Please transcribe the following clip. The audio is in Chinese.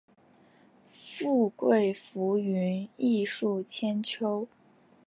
富贵浮云，艺术千秋